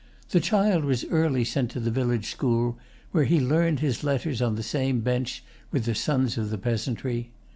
The child was early sent to the village school, where he learned his letters on the same bench with the sons of the peasantry.